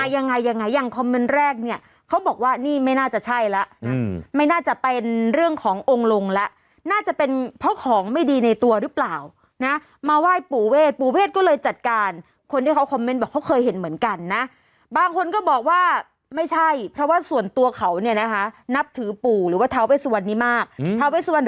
ยังไงยังไงอย่างคอมเมนต์แรกเนี่ยเขาบอกว่านี่ไม่น่าจะใช่แล้วนะไม่น่าจะเป็นเรื่องขององค์ลงแล้วน่าจะเป็นเพราะของไม่ดีในตัวหรือเปล่านะมาไหว้ปู่เวทปู่เวทก็เลยจัดการคนที่เขาคอมเมนต์บอกเขาเคยเห็นเหมือนกันนะบางคนก็บอกว่าไม่ใช่เพราะว่าส่วนตัวเขาเนี่ยนะคะนับถือปู่หรือว่าท้าเวสวันนี้มาก